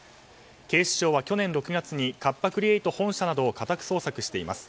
警視庁は去年６月にカッパ・クリエイト本社などを家宅捜索しています。